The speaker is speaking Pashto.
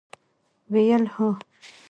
ویل: هو!